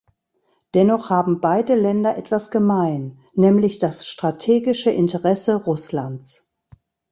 Dennoch haben beide Länder etwas gemein, nämlich das strategische Interesse Russlands.